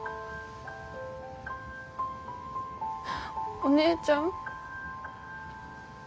お姉ちゃん。